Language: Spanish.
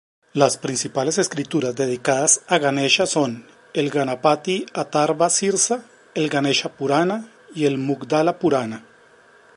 Las principales escrituras dedicadas a Ganesha son el "Ganapati-atharva-sirsa", el "Ganesha-purana" y el "Mugdala-purana".